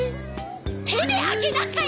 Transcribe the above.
手であげなさい！